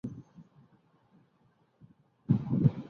তিনি Moscow State বিশ্ববিদ্যালয় হতে স্নাতক হন।